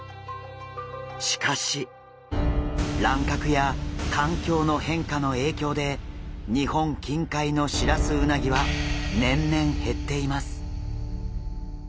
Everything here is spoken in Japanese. しかし乱獲や環境の変化の影響で日本近海のシラスウナギは年々減っています。